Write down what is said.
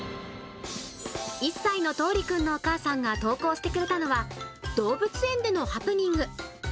１歳のとうりくんのお母さんが投稿してくれたのは、動物園でのハプニング。